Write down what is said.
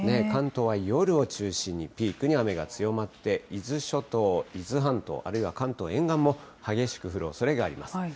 関東は夜を中心にピークに雨が強まって、伊豆諸島、伊豆半島、あるいは関東沿岸も激しく降るおそれがあります。